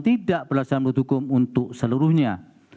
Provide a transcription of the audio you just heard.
tidak berdasarkan hukum untuk seluruhnya